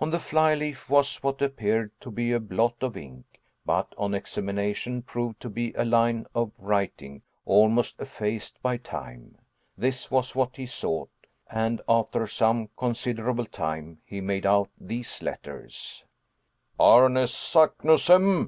On the fly leaf was what appeared to be a blot of ink, but on examination proved to be a line of writing almost effaced by time. This was what he sought; and, after some considerable time, he made out these letters: [Illustration: Runic Glyphs] "Arne Saknussemm!"